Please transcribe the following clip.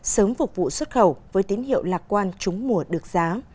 sớm phục vụ xuất khẩu với tín hiệu lạc quan trúng mùa được giá